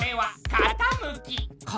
かたむき？